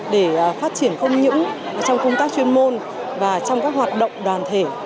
để phát triển không những trong công tác chuyên môn và trong các hoạt động đoàn thể